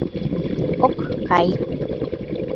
Ок кай.